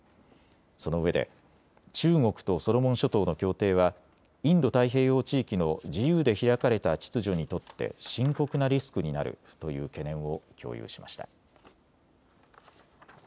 そのうえで中国とソロモン諸島の協定はインド太平洋地域の自由で開かれた秩序にとって深刻なリスクになるという懸念を共有しました。